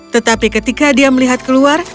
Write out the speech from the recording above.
tetapi ketika dia melihat keluar